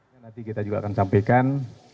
nanti kita juga akan sampaikan